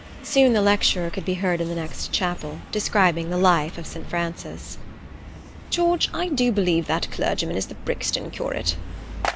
Soon the lecturer could be heard in the next chapel, describing the life of St. Francis. "George, I do believe that clergyman is the Brixton curate."